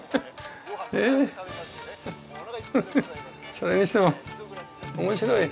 それにしても面白い。